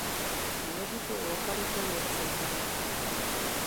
Důležitou lokalitou je cihelna.